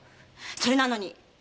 それなのに！